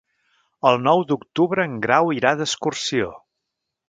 El nou d'octubre en Grau irà d'excursió.